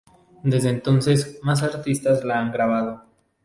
Desde entonces, más artistas la han grabado.